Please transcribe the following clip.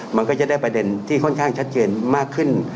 มันก็จะได้ประเด็นที่ค่อนข้างชัดเจนมากขึ้น